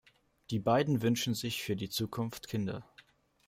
Die beiden wünschen sich für die Zukunft Kinder.